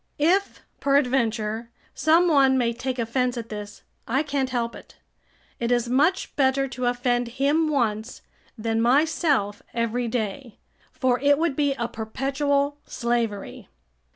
If, peradventure, some one may take offence at this, I can't help it; it is much better to offend him once than myself every day, for it would be a perpetual slavery.